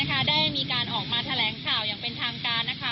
ได้มีการออกมาแถลงข่าวอย่างเป็นทางการนะคะ